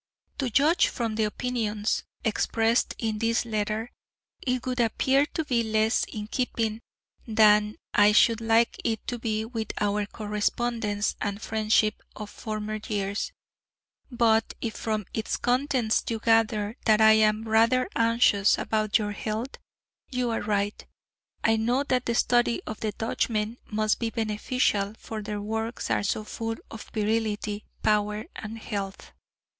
To judge from the opinions expressed in this letter, it would appear to be less in keeping than I should like it to be with our correspondence and friendship of former years; but if from its contents you gather that I am rather anxious about your health, you are right. I know that the study of the Dutchmen must be beneficial; for their works are so full of virility, power and health.